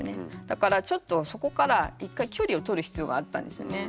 だからちょっとそこから一回距離をとる必要があったんですよね。